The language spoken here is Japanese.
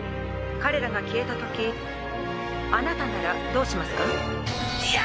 彼らが消えた時あなたならどうしますか？